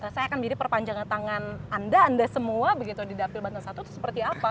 saya akan menjadi perpanjangan tangan anda anda semua begitu di dapil bantar satu itu seperti apa